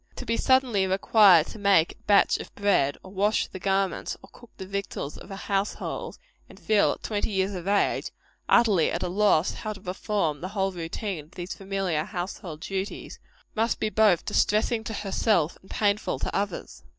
To be suddenly required to make a batch of bread, or wash the garments, or cook the victuals of a household, and to feel, at twenty years of age, utterly at a loss how to perform the whole routine of these familiar household duties, must be both distressing to herself and painful to others.